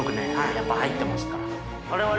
やっぱり入ってますから。